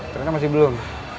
ternyata masih belum